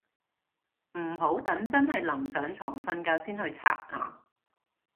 唔好等真係臨上床瞓覺先去刷牙